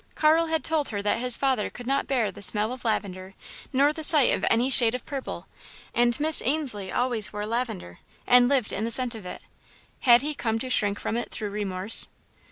Carl had told her that his father could not bear the smell of lavender nor the sight of any shade of purple and Miss Ainslie always wore lavender and lived in the scent of it had he come to shrink from it through remorse?